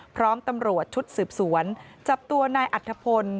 พร้อมตำรวจชุดสืบสวนจับตัวนายอัธพล